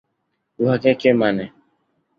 উহাকে কে মানে!